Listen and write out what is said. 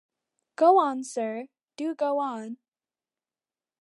Go on, Sir; do go on.